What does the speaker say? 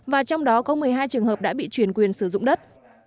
và trong đó có một mươi hai trường hợp đã bị chuyển quyền sử dụng đất